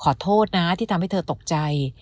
ขอโทษนะที่ทำให้เธอตกใจ